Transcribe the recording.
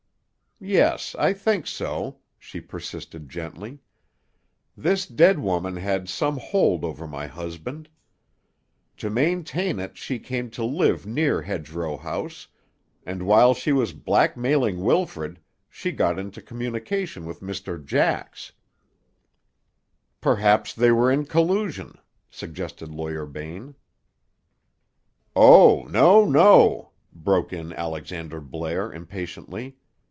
"Yes, I think so," she persisted gently. "This dead woman had some hold over my husband. To maintain it she came to live near Hedgerow House, and while she was blackmailing Wilfrid, she got into communication with Mr. Jax." "Perhaps they were in collusion," suggested Lawyer Bain. "Oh, no, no!" broke in Alexander Blair impatiently.